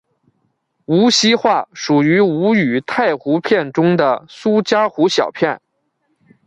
无锡话属于吴语太湖片中的苏嘉湖小片。